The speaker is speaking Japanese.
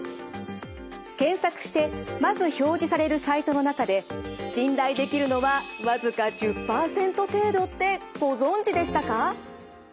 検索してまず表示されるサイトの中で信頼できるのは僅か１０％程度ってご存じでしたか？